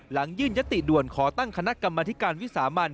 หลังยื่นยติด่วนขอตั้งคณะกรรมธิการวิสามัน